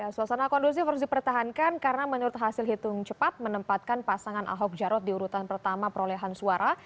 suasana kondusif harus dipertahankan karena menurut hasil hitung cepat menempatkan pasangan ahok jarot di urutan pertama perolehan suara